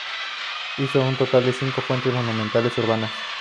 Hizo en total cinco fuentes monumentales urbanas.